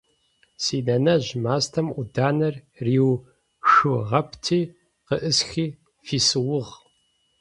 Синэнэжъ мастэм Ӏуданэр риушъугъэпти, къыӀысхи фисыугъ.